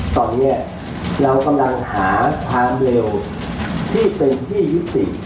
ตอนนี้เรากำลังหาความเร็วที่เป็นที่ยุติ